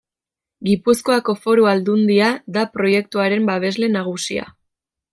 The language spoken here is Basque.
Gipuzkoako Foru Aldundia da proiektuaren babesle nagusia.